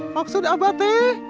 maksud apa teh